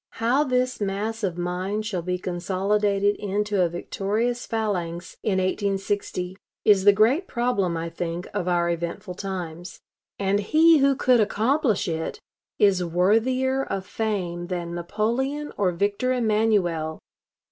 How this mass of mind shall be consolidated into a victorious phalanx in 1860 is the great problem, I think, of our eventful times. And he who could accomplish it is worthier of fame than Napoleon or Victor Emmanuel....